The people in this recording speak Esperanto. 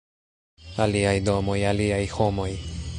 Aliaj domoj, aliaj homoj.